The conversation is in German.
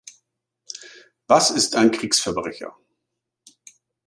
Was ist ein Kriegsverbrecher?